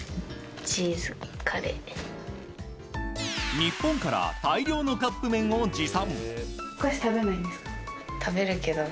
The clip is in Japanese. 日本から、大量のカップ麺を持参。